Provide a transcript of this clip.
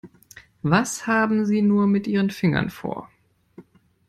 Was haben Sie nur mit Ihren Fingern vor?